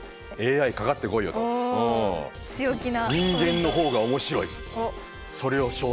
強気な。